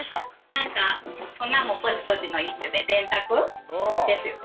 なんかこんなんもポチポチの一種で電卓ですよね。